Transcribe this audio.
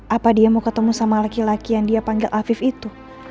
apa dia mau ketemu sama laki laki yang dia panggil afif itu